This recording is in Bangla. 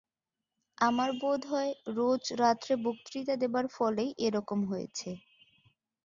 আমার বোধ হয়, রোজ রাত্রে বক্তৃতা দেবার ফলেই এ-রকম হয়েছে।